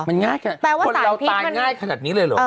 มันง่ายขนาดคนเราตายง่ายขนาดนี้เลยเหรอ